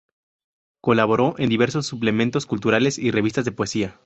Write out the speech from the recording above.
Colaboró en diversos suplementos culturales y revistas de poesía.